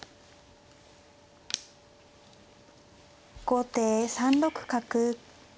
後手３六角。